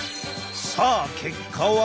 さあ結果は？